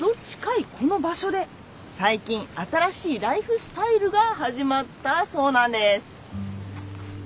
この場所で最近新しいライフスタイルが始まったそうなんです。